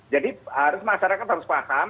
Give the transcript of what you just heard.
jadi harus masyarakat harus paham